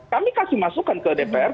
kami kasih masukan ke dpr